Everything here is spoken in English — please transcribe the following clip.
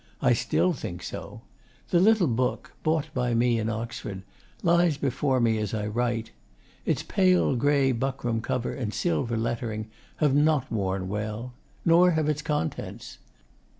I still think so. The little book bought by me in Oxford lies before me as I write. Its pale grey buckram cover and silver lettering have not worn well. Nor have its contents.